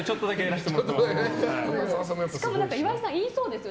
しかも岩井さん言いそうですよ。